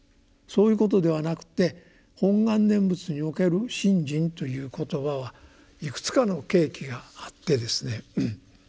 そういうことではなくて「本願念仏」における信心という言葉はいくつかの契機があってですね